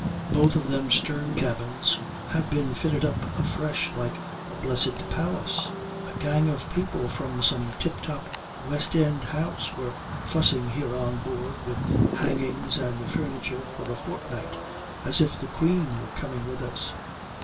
Both of them stern cabins have been fitted up afresh like a blessed palace. A gang of people from some tip top West End house were fussing here on board with hangings and furniture for a fortnight, as if the Queen were coming with us.